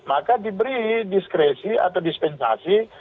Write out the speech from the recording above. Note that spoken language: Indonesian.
maka diberi diskresi atau dispensasi